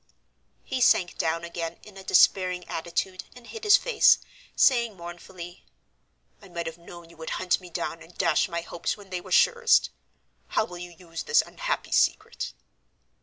He sank down again in a despairing attitude and hid his face, saying mournfully, "I might have known you would hunt me down and dash my hopes when they were surest. How will you use this unhappy secret?"